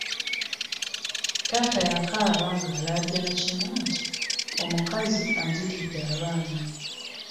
Taata yakaaba ng’alaajana kimu nti omukazi anzitidde abaana.